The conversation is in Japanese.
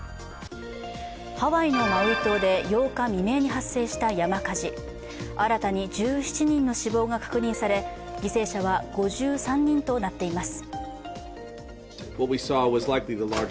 ハワイのマウイ島で８日未明に発生した山火事、新たに１７人の死亡が確認され犠牲者は５３人となっています。